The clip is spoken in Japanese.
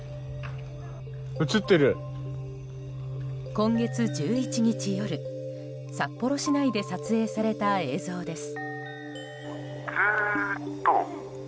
今月１１日夜札幌市内で撮影された映像です。